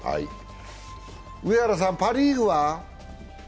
上原さん、パ・リーグは？